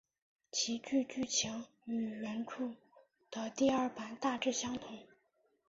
其剧剧情与原着的第二版大致相同。